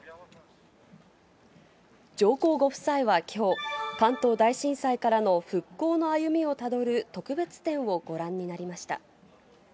上皇ご夫妻はきょう、関東大震災からの復興の歩みをたどる特別展をご覧になりました。